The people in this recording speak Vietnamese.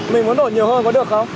mình muốn đổ nhiều hơn có được không